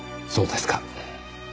そうですか。